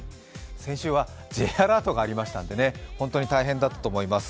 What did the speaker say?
先週はＪアラートがありましたのでね、本当に大変だったと思います。